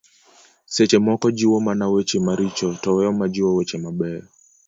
seche moko jiwo mana weche maricho to weyo majiwo weche mabeyo